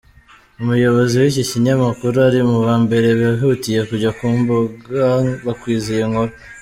Umuyobozi w’iki kinyamakuru ari mubambere bihutiye kujya kumbuga bakwiza iyi nkuru.